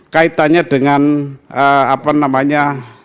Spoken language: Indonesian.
kaitannya dengan apa namanya